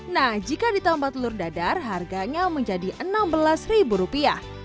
nah jika ditambah telur dadar harganya menjadi rp enam belas